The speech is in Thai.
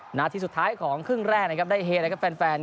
นาทีสุดท้ายของครึ่งแรกนะครับได้เฮนะครับแฟน